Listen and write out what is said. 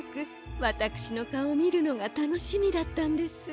わたくしのかおをみるのがたのしみだったんです。